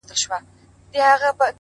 دا دی د مرګ. و دایمي محبس ته ودرېدم .